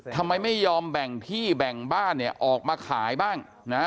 ทำไมไม่ยอมแบ่งที่แบ่งบ้านเนี่ยออกมาขายบ้างนะ